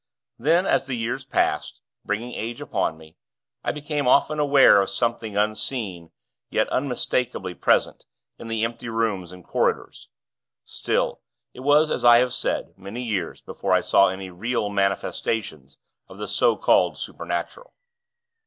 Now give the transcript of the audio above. Then, as the years passed, bringing age upon me, I became often aware of something unseen, yet unmistakably present, in the empty rooms and corridors. Still, it was as I have said many years before I saw any real manifestations of the so called supernatural.